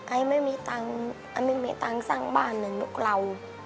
ไอไม่มีตังค์ไม่มีตังค์สร้างบ้านเลยลูกเรา